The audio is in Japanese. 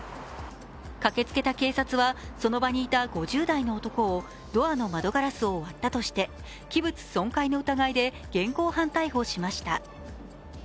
駆けつけた警察はその場にいた５０代の男をドアの窓ガラスを割ったとして器物損壊の疑いで現行犯逮捕しました。